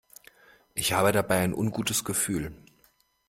Ich habe dabei ein ungutes Gefühl.